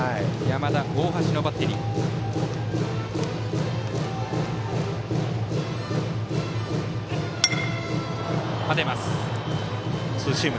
山田、大橋のバッテリー。